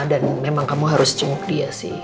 dan memang kamu harus jungguk dia sih